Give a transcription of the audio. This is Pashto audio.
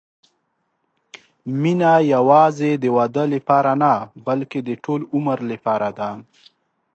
مینه یوازې د واده لپاره نه، بلکې د ټول عمر لپاره ده.